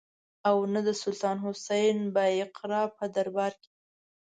او نه د سلطان حسین بایقرا په دربار کې.